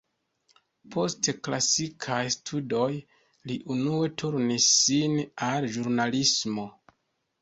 Post klasikaj studoj, li unue turnis sin al ĵurnalismo.